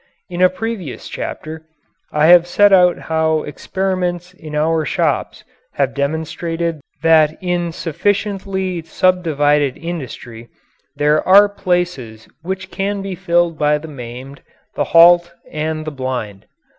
In a previous chapter I have set out how experiments in our shops have demonstrated that in sufficiently subdivided industry there are places which can be filled by the maimed, the halt, and the blind.